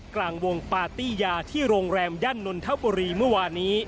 กลางวงปาร์ตี้ยาที่โรงแรมย่านนทบุรีเมื่อวานี้